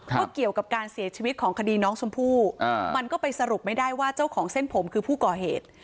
ว่าเกี่ยวกับการเสียชีวิตของคดีน้องชมพู่มันก็ไปสรุปไม่ได้ว่าเจ้าของเส้นผมคือผู้ก่อเหตุ